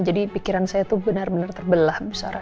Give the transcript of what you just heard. jadi pikiran saya itu benar benar terbelah musara